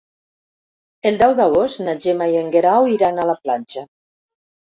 El deu d'agost na Gemma i en Guerau iran a la platja.